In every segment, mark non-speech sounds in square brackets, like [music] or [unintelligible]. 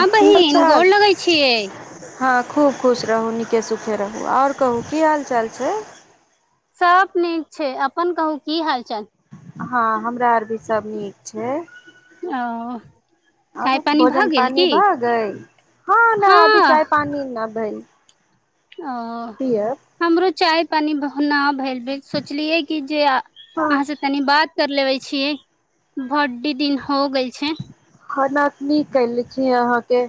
हँ की हाल बहिन गोर चाल लगैय छियै हँ खूब खुश रहू नीके सुखे रहू आओर कहू की हाल चाल छै सब नीक छै अपन कहू की हाल चाल हँ हम चा आओर भी सब नीक छै हँ ओ चाय आरो पानी भऽ भोजन गेल की पानी भऽ गेल हँ न अभी चाय पानी न भयल ओ हमरो चाय पानी बहन ना भेल जे सोचलियै कि जे अहाँ से हँ तनी बात कर लेबे छियै बड्डी दिन हो गइल छै ख कयले छी अहाँके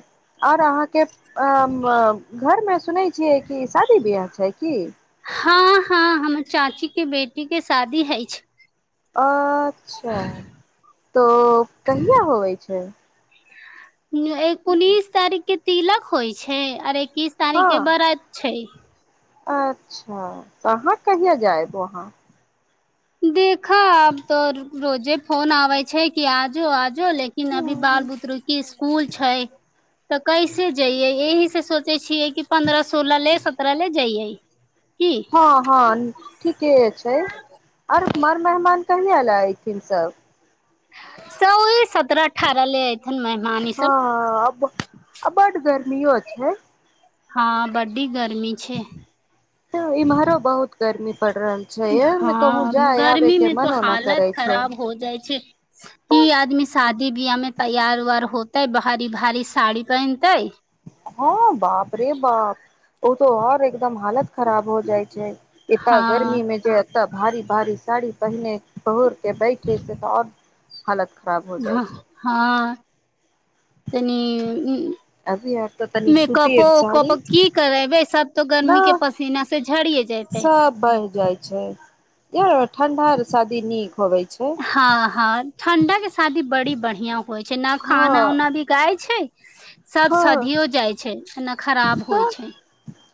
आओर अहाँके अ म घरमे सुनय छियै कि शादी ब्याह छै कि हँ हँ हमर चाची के बेटी के शादी हय छै अ अच्छा त कहिय होइ छै एक उनीस तारीखकें तिलक होइ छै आर एक किस हँ तारीखके व्रत छै [inaudible] अच्छा त अहाँ कहिया जायब वहाँ दे खब त रोजे फोन आबय छै कि आजो आज ओ लेकिन अभी बाल बुतरुकें इसकूल छै तऽ कैसे जइयै एहि से [unintelligible] छियै कि पन्द्रह सोलह ले सत्तरह ले जइयै की हँ हँ ठीके छै आर मर मेहमान कहि अला एऐथिन सब सओए सतरह अठारह ले थिन मेहमान ई सब अबर गर्मीओ छै हँ बडी ग तऽ इम्हरो बहुत गरमी हँ आबे के गरमीमे तऽ मनो न हालत करे छै खराब हो जाइ छै कि आदमी शादी बियाहमे तैयार वयार हो तऽ भारी भारी सााड़ी पहिनतै हँ बाप रे बाप ओ तो आओर एकदम हालत खराब हो जाइ छै एतऽ हँ गर्मी मे जे तऽ भारी भारी साड़ी पहिने बहुत के बैठे छै तओ हालत खराब हो जाइ छै हँ तनी अभी आर तऽ तनी मेकअप सूतीर ओकप साड़ी की करे बैस तो गर्मी के न पसीना से झड़ त सब बनि जाइ छै यार ठण्डा र शादी नीक होबै छै हँ हँ ठण्डा के शादी बड़ी बढ़िया हए जेना खाना हँ उना भी गााय छै सब हँ सधियो जाइ छैना खराब होइ तऽ छै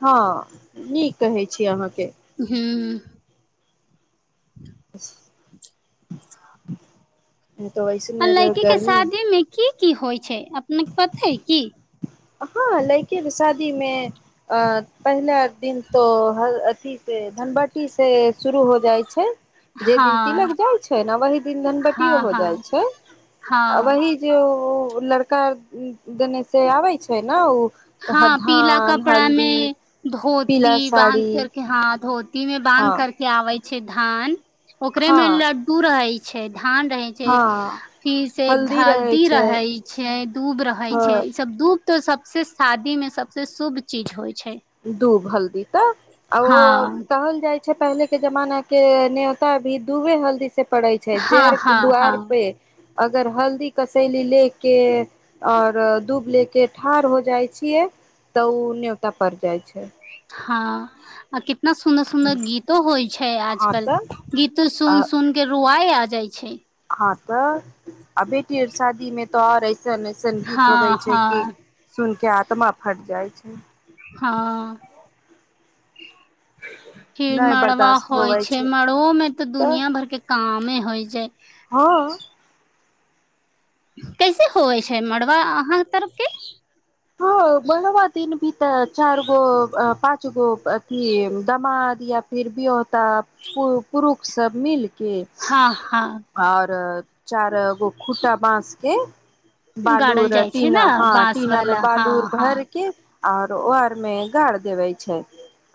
हँ न कहै छी अहाँ हँ अ [inaudible] वैसने रह अलाइकी क गर्मी शादी मे की की होइ छै अपने के पते है की हँ लेके कि शादी मे अ पहला दिन तो अी से धनबट्टी से शुरू हो जाइ छै जेहि दिन हँ तिलक जाइ छै ने वही दिन धनबट्टियो हँ हो जाइ हँ छै आ हँ वही जे ओ लड़का देने से आबे छै त ने हँ पीला कपड़ा हल्दी में पीला धोती बानध साड़ी करके हँ धोती में बानध हँ करके आबै छै धान ओकरे मे हँ लड्डू रहै छै छठ धान रहै छै हँ फिर से हल्दी रहै छै दूध रहै छै हँ ई सब दूप तो सबसँ शादी मे सबसे शुभ चीज होइ छै दूभ हल्दी तऽ आउ हँ हो तहन जाइ पहिले के जमाना के न्योता भी दुबे हल्दी से पड़ै छै हँ हँ ज हँ दुवार पे अगर हल्दी कसैली ले के और दूध ले के ठाढ़ हो जाइ छियै तऽ ओ न्योता परड़ जाय छय हीक हँ आ क ना सुदर सुंदर गीतो होइ छै हँ आजकल तऽ गीतो सुन सुन के रुआ आय भ जाइ छै ह तऽ आ बेटी शादी मे तो आर संगीत हँ होवे छै कि हँ सुन कि आत्म फट जाइ छै हँ फिर नहि मड़बा बर्दाश्त होइ होबै छै मड़ब मे तऽ दुनिया भर के कामे होइ छै हँ कैसे होइ छै मड़वा अहाँ तरफ के हँ बनब दन भी त चार गो पाँच चुनवो अथी दमाद या फिर भी तऽ प पुरुख सभ मिल हँ हँ आऔर चार गो खुटा बाँस के गाड़ल बालूर जाइ छै ने टीना हँ बाँस टीना मे वाला हँ बालूर हँ भरके आर ओर मे गाड़ देवे छै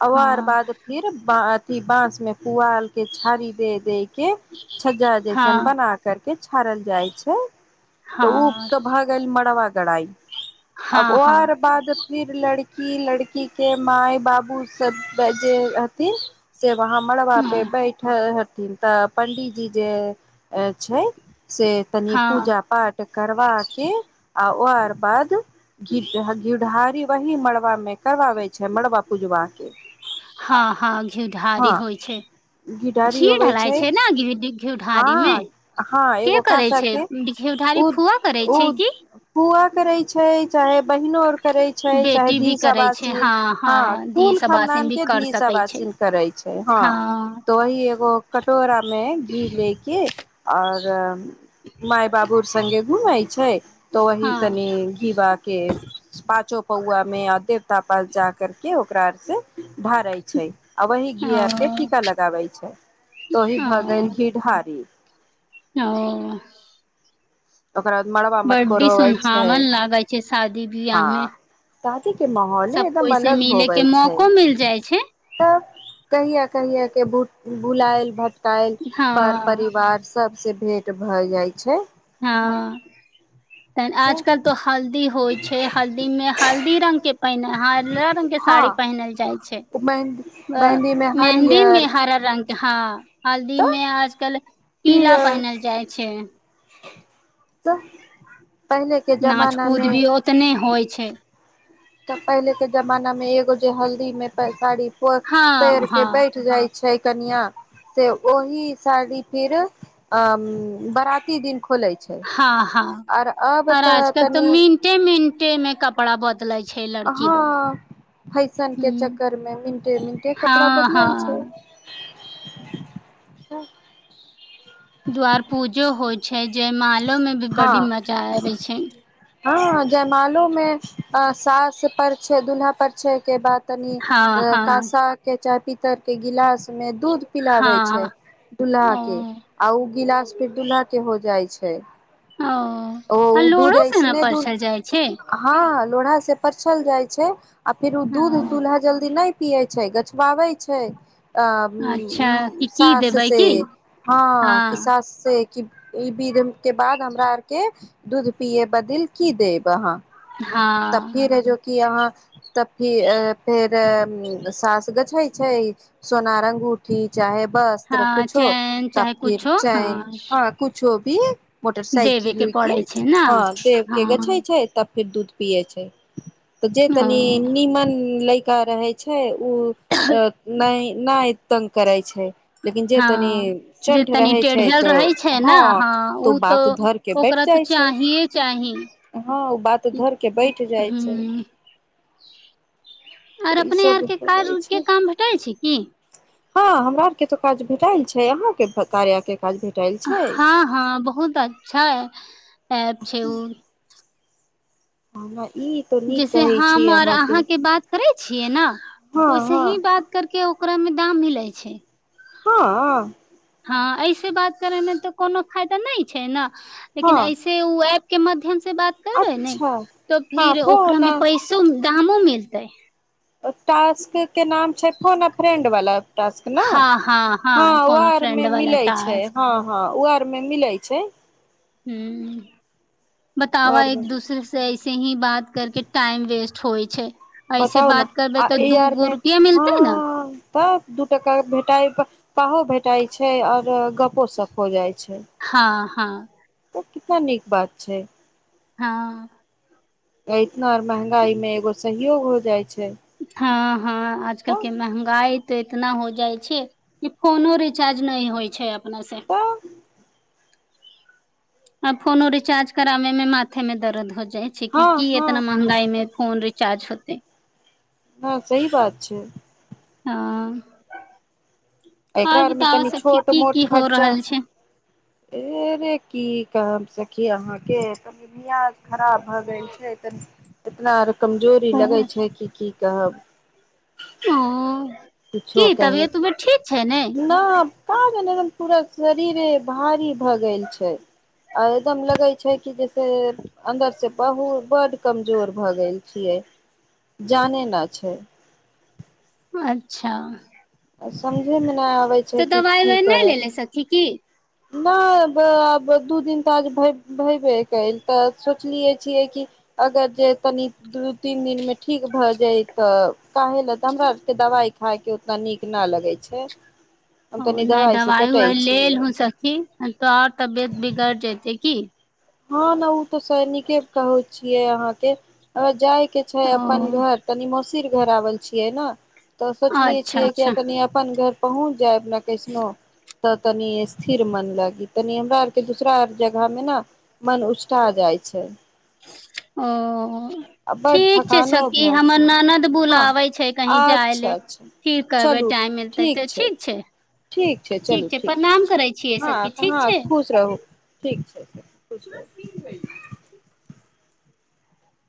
आओर आर हँ बाद फिर बाद की बाँसमे पुआल के छारी दे दे के छजा संपन्न हँ अहा करते छड़ल जाय छय त ऊ हँ त भ गेल जे मड़वागढ़इ आब हँ हँ आओर बाद फिर लड़की लड़की के मााय बाबू सब जे हथिन से वहाँ मड़बा पे हँ बैठल छथिन तऽ पण्डीजी जे अ छै से तनि हँ पूजा पाठ करबा के आ ओर बाद घीढ घिढारी वही मड़बामे करबाबय छै मड़बा पूजवा के हँ हँ घी ढारी हँ होइ छै घिढारी घी होवे ढलाय छै ने घी घी हँ ढारी मे हँ के एगो करै काँसा के घिढारी उ फुआ करै छै उ कि फुआ करय छै चाहे बहिनो आर करय छै चाहे बेटी भी करै छै धिसवासीन हँ हँ दी कुल सबासिन भी खानदानकें कर सकै छै धीसवासीन करय छै हँ तो वही एगो कटोरामे घी आओर माय बाबू संगे घुमय छै तऽ वही हँ तनि घीवा के पांचो पौआमे अधे तपल जा करके ओ ओकरा आओर से ढारय छैइ आ वही घी ओ आरके टीका लगाबय छै त ओही ओ भ' गेल थारी ओ ओकरा बाद मड़बा बड्डी मटकोर होवे छै सुनहावन लागै छै शादी बिआहमे तऽ त' के माहौले एकदम अलग होबय के छै मौको मिल जाइ छै त' कहिया कहिया के बुलायल भट यल हँ पर परिवार सबसे भेट भय जाइ छै हँ त' आजकल तो हल्दी होइ छै हल्दीमे हल्दी रंगकें पहिनल रंग के साड़ी हँ पहिनल जाइ छैइ मेहदी छै मेहन्दी मे मेहन्दीमे हरियर हरा रंगके हां तऽ हल्दीमे आजकल पीला पियर पहिनल जाइ छै तऽ पहिले के नाच जमाना कूद मे भी ओतने होइ छै तऽ पहिलेकें जमानामे एगो जे हल्दीमे प साड़ी ओ हँ पेढ़ के हँ बैठ जाइ छै छै कनिया से ओहि साड़ी फेर अं बराती दिन खोलय छै हँ आर आजकल तऽ मिंटे मिंट के मे कपड़ा बहुत हँअ फैशन ह के चक्कर मे मिनटे मिनटे कपड़ा हँ बदलय छैइ हँ त द्वार पूजो होइ छैइ जयमालो में भी बडी हँ मजा आबय छै हँ जयमालो में अ सास परछै दुल्हा परछैे के बाद तनी हँ हँ काँसा के चाह पीत तल के गिलास में दूध पिलाबै छैई हँ दुल्हा के ओ आ ऊ गिलास फेर दुल्हा के हो जाइ छै छै ओ आ लोढ़ो से ने ऐसने दूध परछल जाइ छै हँ लोढ़ा से परछल जाइ छै आ फिर ओ दूध दुल्हा जल्दी नइ पियै छैइ गछवाबै छै अं अच्छा कि की सास देबै से की हँ कि हँ सास से ई विध हम के बाद हमरा आर के दूध पिये बदिल की देब अहाँ तऽ हां फिर जोकि अहाँ तऽ फि फेर सास गछै छै सोनार अंगूठी चाहे वस्त्र हँ कुछो चैन तब चाहे फिर कुछो चैन हँ कुछो इहे मोटर देबे सााइकिल के उइकिल पड़ै छै ने हँ देब के गछै हँ छैइ तब फेर दूध पीअइ छै तऽ जे तनी ओ नीमन लैक रहै छै ओ अ नहि नहि तंग करै छै लेकिन जे तनी हँ जे चंठ तनी रहै छै टेढ़ियल तऽ रहै छै ने हँ तो ओ तऽ बात धर के बैठ ओकरा तऽ जाइ छैइ चाहिए चाही हँ ओ बात धर के बैठ जाइ छै ह आर तऽ अपने ईसभ आरके कार्य होइ उर के छै काम भेटल छैइ की हँ हमरा आर के तो काज भेटायल छैइ अहाँ के त कार्या के हां हां बहुत अच्छा ऐप छै उ [unintelligible] नीक जैसे कहै छी हम आर अहाँके बात करै छी छियै न हँ हँ ओइसही बात करके ओ ओकरामे दाम मिलै छै हंअ् हँ ऐसे बात करे मे तऽ कोनो फायदा नई छै न लेकिन हँ ऐसे उ ऐप के माध्यम बात करबै न अच्छा तऽ हँ फिर ओकरा फोन मे पैसो दामो मिल तै टास्क के नाम छै फोन ए फ्रेंड वाला टास्क ना हँ हँ हँ हा फोनो हर फ्रेंड मे वाला मिल छै टास्क ह ह मे मिलै छै हू ओ बतावा आर मे एक दूसरे से ऐसे ही बात करके टाइम वेस्ट होय छै ऐसे बताउ ने बात करबै आ तऽ ए आर दूगो मे रुपआ मिलतै नए हँ तऽ दू टका भेटाइ पाहो भेटाइ छै आओर गपो सप हो हँ हँ त कस नीक बात छै हँ इतना आ महंगाई मे एगो सहयोग हो जाइ छै हँ हँ आजकल तऽ के महगाई तऽ इतना हो जाइ छै कि फोनो रिचार्ज नहि होइ छै कोन से तऽ आ फोन रिचार्ज कराबे में माथे में दर्द हो जा छै क हँ की हँ इतना महंगाई मे फोन रह छै चार्ज होत ह सही बात छै हँ एकरा आर आरमे बताबऽ तनि सकी छोट की की मोट हो खर्चा रहल छै ए रे की काम सखी अहा कय खराब भऽ गै छै त इतना र कमजोरी लगे छै की की कहब ह किछो की तबियत उबियत ठीक छैय ने कारण एकदम पूरा शरीरे भारी भऽ गेल छैय आ एकदम लगै छैय कि जैसे अन्दरसँ बहुत बड्ड कमजोर भऽ गेल छियै जानै नहि छैय अच्छा आ समझयमे नहि आबै तऽ छैय कि दवाइ की उवाइ नहि लेले करत सखी की नहि अब आब दू दिन तऽ आज भेबे कईब तऽ सोचलियै छियै कि अगर जे तनी दू तीन दिनमे ठीक भए जाय तऽ काहे ल तऽ हमरा आरके दवाइ खायके उतना नीक ना लगै छैय। ओ नहि दवाइ उवाइ ले लहू सखी नहि तो आओर तबियत बिगड़ जेते की हँ ने ओ तऽ सै निके कहैत छियै अहाँके अहाँ जाय के छैय ओ अपन घर तनी मोसीर घर आवल छैय। छियै ने तऽ सोचलियै अच्छा छियै अच्छा कि कनि अपन घर पहुँच जायब ने कैसनो तऽ तनि स्थिर मन लागी तनि हमरा आरके दूसरा आर जगह मे न मन उचटा जाइ छैय। ओ बड्ड ठीक छैय थकानो सखी भऽ हमर छै ननद हँ बुलाबै छैय कहीं जाय अच्छा ले अच्छा फिर कहबै चलू टाइम मिलतै तऽ छै ठीक छैय। ठीक छैय चलु ठीक छैय छियै सखी हँ ठीक हाँ छै खुश रहू। ठीक छैय खुश रहू